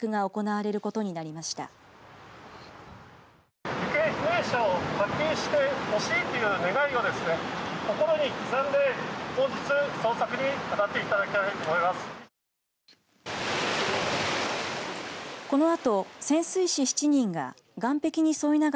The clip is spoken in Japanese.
行方不明者を発見してほしいという願いを心に刻んで当日、捜索にあたっていただきたいと思います。